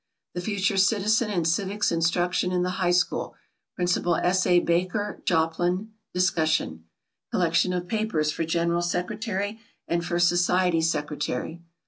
"The Future Citizen and Civics Instruction in the High School," Principal S. A. Baker, Joplin. Discussion. Collection of papers for General Secretary and for Society Secretary.